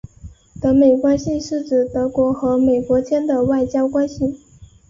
德美关系是指德国和美国间的外交关系。